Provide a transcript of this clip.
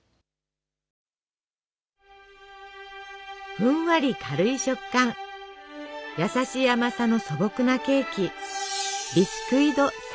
ふんわり軽い食感やさしい甘さの素朴なケーキ。